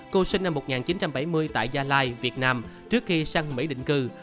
cô sinh năm một nghìn chín trăm bảy mươi tại gia lai việt nam trước khi sang mỹ định cư